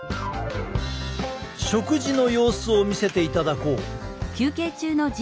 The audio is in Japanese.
食事の様子を見せていただこう。